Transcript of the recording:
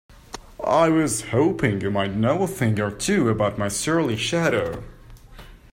I was hoping you might know a thing or two about my surly shadow?